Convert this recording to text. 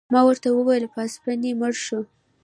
ما ورته وویل: پاسیني مړ شو.